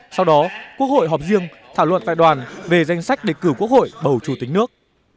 sau đó quốc hội họp riêng thảo luận tại đoàn về danh sách để cử quốc hội bầu chủ tịch nước